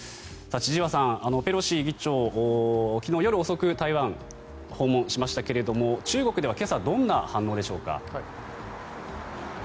千々岩さん、ペロシ議長昨日夜遅くに台湾を訪問しましたが中国では今朝どんな反応でしょうか。